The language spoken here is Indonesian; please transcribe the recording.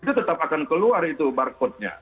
itu tetap akan keluar itu barcode nya